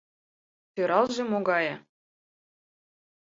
Сӧралже могае!